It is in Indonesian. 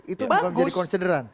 itu bukan menjadi konsideran